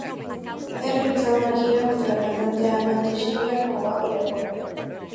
Ha realizado una gira junto la cantante Anna Tsuchiya, como bajo de apoyo.